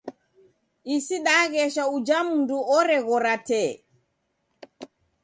Isi daghesha uja mndu oreghora tee.